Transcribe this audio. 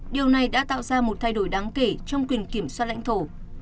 điều này đã tạo ra một thay đổi đáng kể trong quyền kiểm soát lãnh thổ